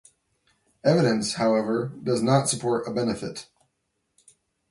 Evidence, however, does not support a benefit.